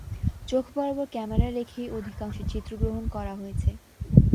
চোখ বরাবর ক্যামেরা রেখেই অধিকাংশ চিত্র গ্রহণ করা হয়েছে।